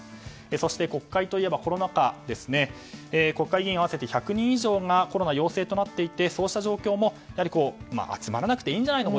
そして国会といえばコロナ禍国会議員合わせて１００人以上がコロナ陽性となっていてそうした状況も集まらなくていいんじゃないの？